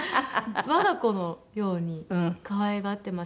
我が子のように可愛がってますね。